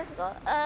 あ。